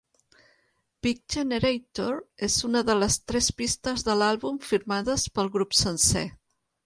"Big Generator" és una de les tres pistes de l'àlbum firmades pel grup sencer.